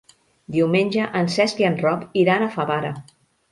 Diumenge en Cesc i en Roc iran a Favara.